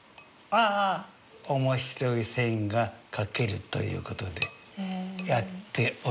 面白い線が描けるという事でやっております。